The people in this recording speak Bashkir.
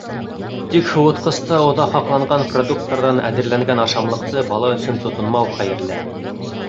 Тик һыуытҡыста оҙаҡ һаҡланған продукттарҙан әҙерләнгән ашамлыҡты бала өсөн тотонмау хәйерле.